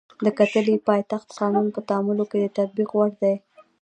د کتلې د پایښت قانون په تعاملونو کې د تطبیق وړ دی.